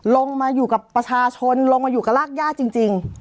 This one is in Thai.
ลงมาอยู่กับประชาชนลงมาอยู่กับรากย่าจริง